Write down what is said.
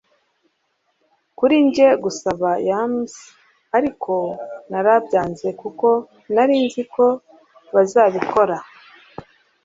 kuri njye gusaba yams ariko narabyanze kuko nari nzi ko bazabikora